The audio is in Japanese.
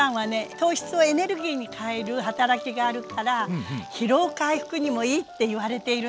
糖質をエネルギーに変える働きがあるから疲労回復にもいいって言われているの。